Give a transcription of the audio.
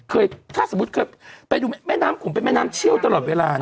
ถ้าสมมุติเคยไปดูแม่น้ำขุมเป็นแม่น้ำเชี่ยวตลอดเวลานะ